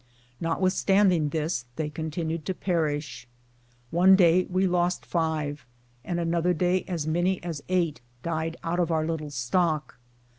Not withstanding this, they continued to perish. One day we lost five, and another day as many as eight died out of our little stock.